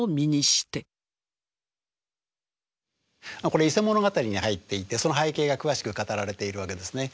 これ「伊勢物語」に入っていてその背景が詳しく語られているわけですね。